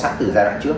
sẵn từ giai đoạn trước